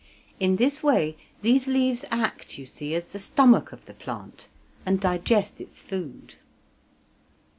In this way these leaves act, you see, as the stomach of the plant, and digest its food.